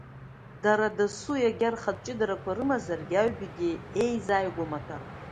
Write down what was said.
Дара дасу иага рхатә ҷыдарақәа рымазаргьы, аҩбагьы еизааигәоу маҭәарқәоуп.